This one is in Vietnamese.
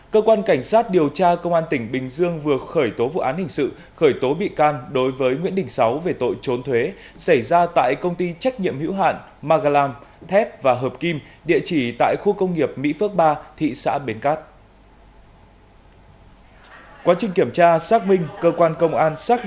cơ quan cảnh sát điều tra công an tỉnh bình dương vừa khởi tố vụ án hình sự khởi tố bị can đối với nguyễn đình sáu về tội trốn thuế xảy ra tại công ty trách nhiệm hữu hạn magalam thép và hợp kim địa chỉ tại khu công nghiệp mỹ phước ba thị xã bến cát